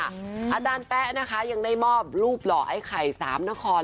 อาจารย์แป๊ะนะคะยังได้มอบรูปหล่อไอ้ไข่สามนคร